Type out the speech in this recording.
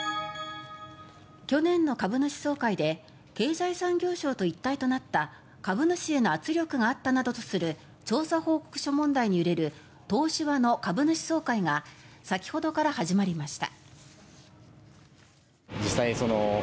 去年の株主総会で経済産業省と一体となった株主への圧力があったなどとする調査報告書問題に揺れる東芝の株主総会が先ほどから始まりました。